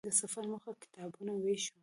د سفر موخه کتابونو وېش و.